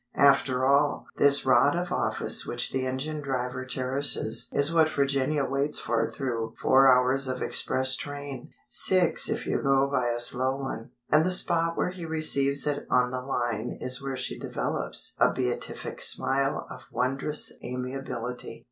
After all, this Rod of Office which the engine driver cherishes is what Virginia waits for through four hours of express train—six if you go by a slow one. And the spot where he receives it on the line is where she develops a beatific smile of wondrous amiability.